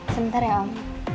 sebentar ya om